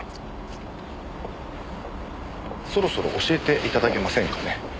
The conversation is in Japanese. そろそろ教えて頂けませんかね？